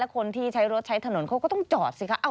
คนที่ใช้รถใช้ถนนเขาก็ต้องจอดสิคะ